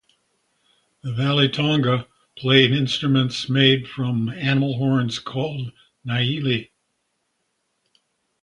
The Valley Tonga play instruments made from animal horns called "nyeele".